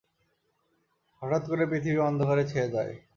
হঠাৎ করে পৃথিবী অন্ধকারে ছেয়ে যায়।